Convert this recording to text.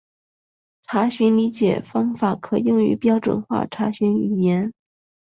查询理解方法可用于标准化查询语言。